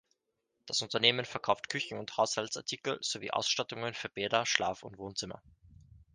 Das Unternehmen verkauft Küchen- und Haushaltsartikel sowie Ausstattungen für Bäder, Schlaf- und Wohnzimmer.